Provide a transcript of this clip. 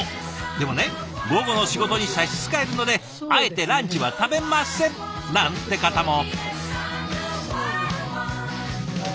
でもね午後の仕事に差し支えるのであえてランチは食べませんなんて方も。